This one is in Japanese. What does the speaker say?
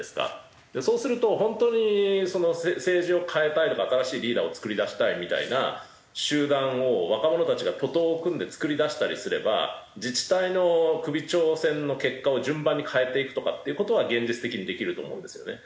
そうすると本当に政治を変えたいとか新しいリーダーを作り出したいみたいな集団を若者たちが徒党を組んで作り出したりすれば自治体の首長選の結果を順番に変えていくとかっていう事は現実的にできると思うんですよね。